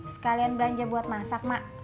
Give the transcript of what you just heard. sekalian belanja buat masak mak